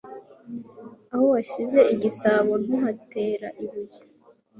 Aho wahishe igisabo, ntuhatera ibuye.